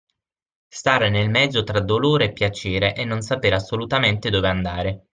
Stare nel mezzo tra dolore e piacere e non sapere assolutamente dove andare.